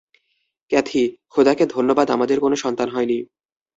Kathy, খোদাকে ধন্যবাদ আমাদের কোন সন্তান হয়নি।